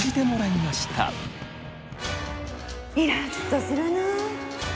イラっとするな。